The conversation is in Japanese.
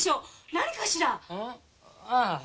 何かしら？